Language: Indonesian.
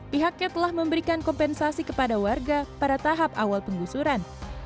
pihaknya telah memberikan kompensasi kepada warga pada tahap awal penggusuran